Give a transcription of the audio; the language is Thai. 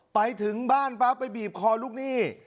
ไปถึงบ้านปั๊บไปบีบคอลูกหนี้